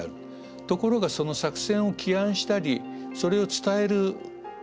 ところがその作戦を起案したりそれを伝える部署は軍令部である。